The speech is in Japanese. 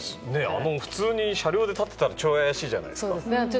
普通に車両に立ってたら超怪しいじゃないですか。